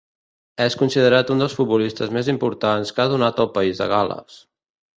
És considerat un dels futbolistes més importants que ha donat el País de Gal·les.